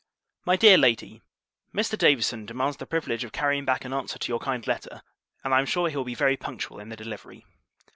MY DEAR LADY, Mr. Davison demands the privilege of carrying back an answer to your kind letter; and, I am sure, he will be very punctual in the delivery.